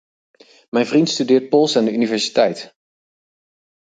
Mijn vriend studeert Pools aan de universiteit.